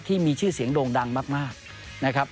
ที่มีชื่อเสียงโด่งดังมากนะครับ